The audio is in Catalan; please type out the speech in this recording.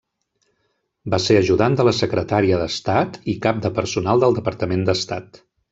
Va ser ajudant de la Secretària d'Estat, i Cap de Personal del Departament d'Estat.